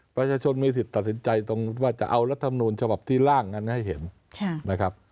ประชาชนมีสิทธิ์ตัดสินใจตรงว่าจะเอารัฐมนูลฉบับที่ล่างกันให้เห็นนะครับ